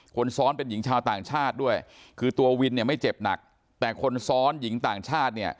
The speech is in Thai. คนซ้อนเป็นหญิงชาวต่างชาติด้วยคือตัววินเนี่ยไม่เจ็บหนักแต่คนซ้อนหญิงต่างชาติเนี่ย